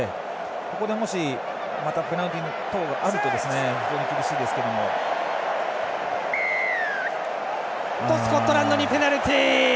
ここでもし、またペナルティー等がありますとスコットランドにペナルティー！